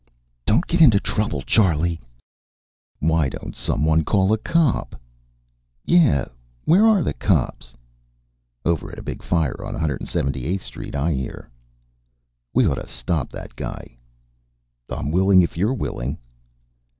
"Don't get into trouble, Charley." "Why don't someone call a cop?" "Yeah, where are the cops?" "Over at a big fire on 178th Street, I hear." "We oughta stop that guy." "I'm willing if you're willing."